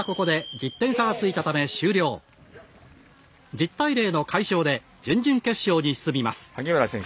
１０対０の快勝で準々決勝に進みます。